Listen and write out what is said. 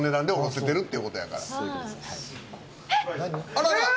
あらら！